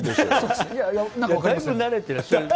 だいぶ慣れてらっしゃると。